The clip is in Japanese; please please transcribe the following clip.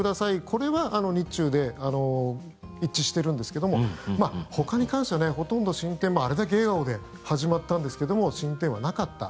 これは日中で一致してるんですけどもほかに関してはほとんど進展もあれだけ笑顔で始まったんですが進展はなかった。